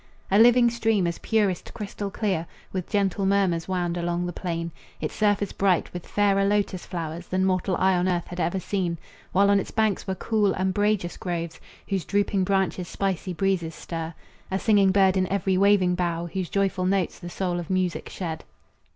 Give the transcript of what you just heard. A living stream, as purest crystal clear, With gentle murmurs wound along the plain, Its surface bright with fairer lotus flowers Than mortal eye on earth had ever seen, While on its banks were cool, umbrageous groves Whose drooping branches spicy breezes stir, A singing bird in every waving bough, Whose joyful notes the soul of music shed.